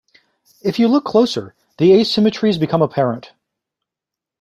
If you look closer the asymmetries become apparent.